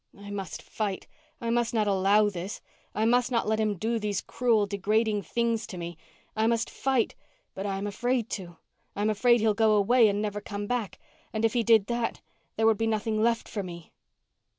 _I must fight. I must not allow this. I must not let him do these cruel, degrading things to me. I must fight but I am afraid to. I am afraid he'll go away and never come back and if he did that, there would be nothing left for me.